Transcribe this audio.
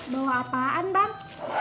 bau apaan bang